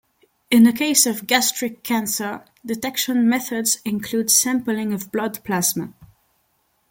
In the case of gastric cancer, detection methods include sampling of blood plasma.